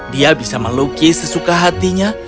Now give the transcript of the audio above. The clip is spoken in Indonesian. dia bisa melukis sesuka hatinya